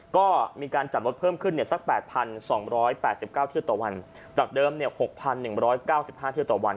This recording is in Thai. ก็มีการจัดรถเพิ่มขึ้นสัก๘๒๘๙เที่ยวต่อวันจากเดิม๖๑๙๕เที่ยวต่อวัน